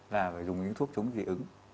là phải dùng những thuốc chống dị ứng